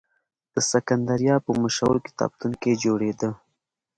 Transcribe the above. د سکندریه په مشهور کتابتون کې جوړېده.